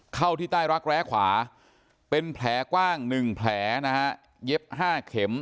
เข้าที่ใต้รักแร้ขวาเป็นแผลกว้าง๑แผลนะฮะเย็บ๕เข็ม